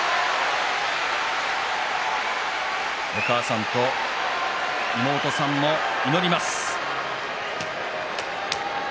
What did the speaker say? お母さんと妹さんも祈ります。